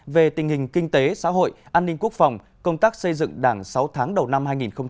về tình hình kinh tế xã hội an ninh quốc phòng công tác xây dựng đảng sáu tháng đầu năm hai nghìn hai mươi